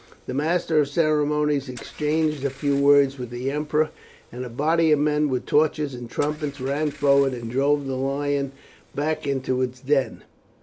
The master of ceremonies exchanged a few words with the emperor, and a body of men with torches and trumpets ran forward and drove the lion back into its den.